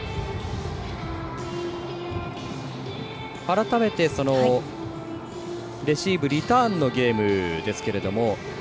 改めて、レシーブリターンのゲームですけれども。